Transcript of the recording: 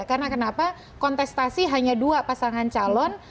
karena kenapa kontestasi hanya dua pasangan calon